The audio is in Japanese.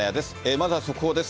まずは速報です。